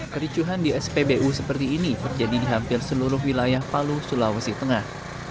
kericuhan di spbu seperti ini terjadi di hampir seluruh wilayah palu sulawesi tengah